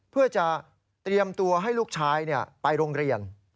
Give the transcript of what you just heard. เพื่อจะเตรียมตัวให้ลูกชายไปโรงเรียน